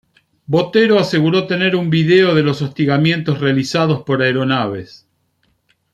Botero aseguró tener un vídeo de los hostigamientos realizados por aeronaves.